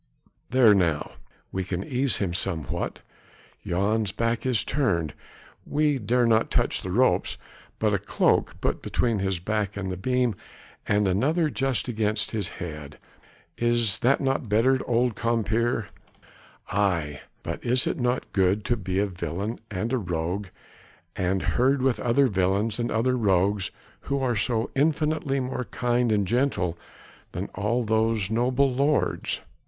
There! now we can ease him somewhat. Jan's back is turned: we dare not touch the ropes, but a cloak put between his back and the beam, and another just against his head. Is that not better, old compeer? Aye! but is it not good to be a villain and a rogue and herd with other villains and other rogues who are so infinitely more kind and gentle than all those noble lords?